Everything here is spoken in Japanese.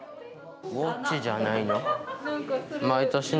ウォッチじゃないの。